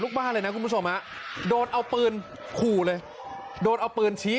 บ้านเลยนะคุณผู้ชมฮะโดนเอาปืนขู่เลยโดนเอาปืนชี้